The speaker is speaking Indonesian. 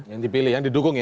yang dipilih yang didukung ya